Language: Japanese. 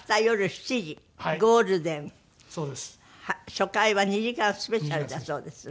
初回は２時間スペシャルだそうです。